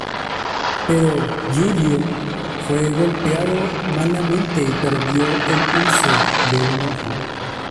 Pero Giulio fue golpeado malamente y perdió el uso de un ojo.